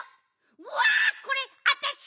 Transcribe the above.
うわっこれわたし！？